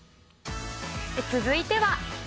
続いては。